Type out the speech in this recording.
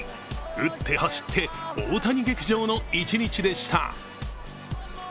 打って走って大谷劇場の一日でした。